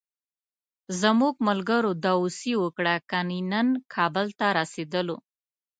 زموږ ملګرو داوسي وکړه، کني نن کابل ته رسېدلو.